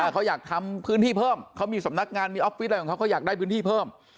เขาอยากทำพื้นที่เพิ่มเขามีสำนักงานมีออฟฟิศอะไรของเขาเขาอยากได้พื้นที่เพิ่ม